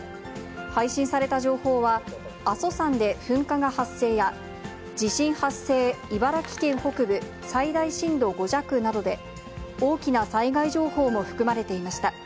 配信された情報は、阿蘇山で噴火が発生や、地震発生、茨城県北部、最大震度５弱などで、大きな災害情報も含まれていました。